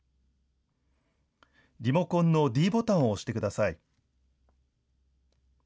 リモコンのｄボタンを押してください。